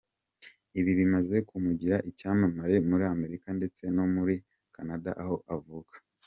Ibi bimaze kumugira icyamamare muri Amerika ndetse no muri Canada aho avuka.